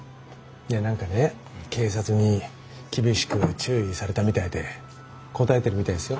いや何かね警察に厳しく注意されたみたいでこたえてるみたいですよ。